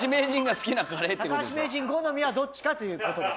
橋名人好みはどっちかということです。